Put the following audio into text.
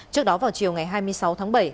trước đó vào chiều ngày hai mươi sáu tháng bảy